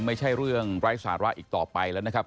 ไม่ใช่เรื่องไร้สาระอีกต่อไปแล้วนะครับ